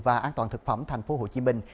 và an toàn thực phẩm thành phố hồ chí minh